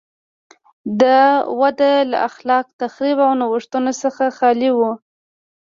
دا وده له خلاق تخریب او نوښتونو څخه خالي وه.